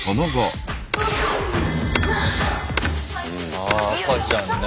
ああ赤ちゃんね。